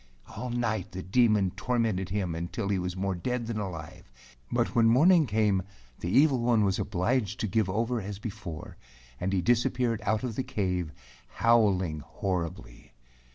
All night the Demon tor¬ mented him until he was more dead than alive, but when morning came, the evil one was obliged to give over as before, and he disappeared out of the cave, howling horribly.